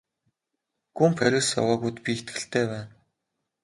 Гүн Парис яваагүйд би итгэлтэй байна.